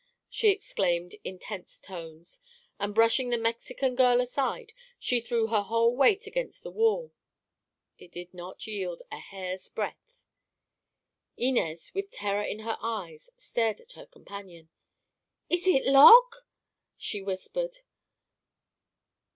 she exclaimed in tense tones and brushing the Mexican aside she threw her whole weight against the wall. It did not yield a hair's breadth. Inez, with terror in her eyes, stared at her companion. "Is it lock?" she whispered.